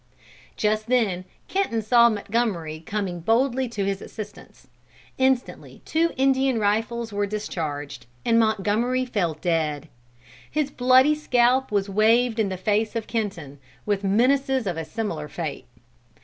"Just then Kenton saw Montgomery coming boldly to his assistance. Instantly two Indian rifles were discharged, and Montgomery fell dead. His bloody scalp was waved in the face of Kenton, with menaces of a similar fate.